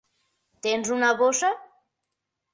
Tens una bossa?